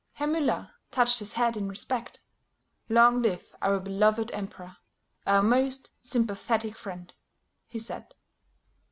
Herr Müller touched his hat in respect. "Long live our beloved emperor, our most sympathetic friend," he said.